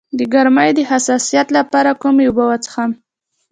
د ګرمۍ د حساسیت لپاره کومې اوبه وڅښم؟